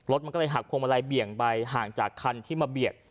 รถมันก็เลยหักพวงมาลัยเบี่ยงไปห่างจากคันที่มาเบียด